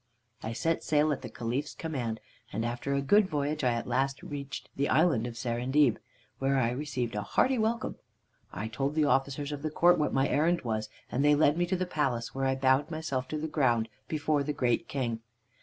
"I set sail at the Caliph's command, and after a good voyage I at last reached the island of Serendib, where I received a hearty welcome. I told the officers of the court what my errand was, and they led me to the palace, where I bowed myself to the ground before the great King.